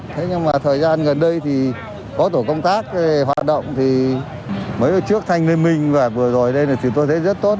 thế nhưng mà thời gian gần đây thì có tổ công tác hoạt động thì mới ở trước thanh niên minh và vừa rồi đây là chúng tôi thấy rất tốt